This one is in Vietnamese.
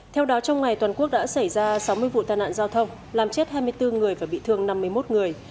theo đó trong ngày toàn quốc đã xảy ra sáu mươi vụ tai nạn giao thông làm chết hai mươi bốn người và bị thương năm mươi một người